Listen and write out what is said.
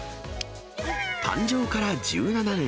誕生から１７年。